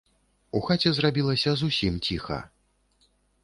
У хаце зрабілася зусім ціха.